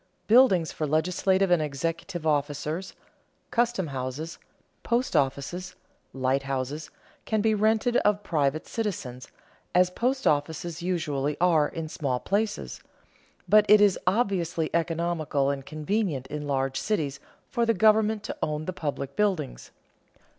Buildings for legislative and executive officers, custom houses, post offices, lighthouses, can be rented of private citizens, as post offices usually are in small places; but it is obviously economical and convenient in large cities for the government to own the public buildings.